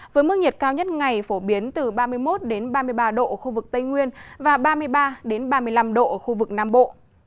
với mức nhiệt cao nhất ngày phổ biến từ ba mươi một ba mươi ba độ ở khu vực tây nguyên và ba mươi ba ba mươi năm độ ở khu vực nam bộ